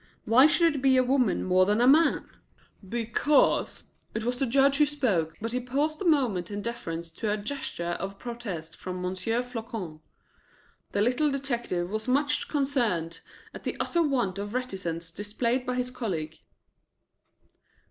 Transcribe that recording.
Why should it be a woman more than a man?" "Because" it was the Judge who spoke, but he paused a moment in deference to a gesture of protest from M. Floçon. The little detective was much concerned at the utter want of reticence displayed by his colleague.